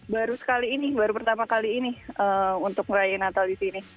baru sekali ini baru pertama kali ini untuk meraih natal di sini